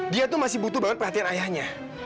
dia tuh masih butuh banget perhatian ayahnya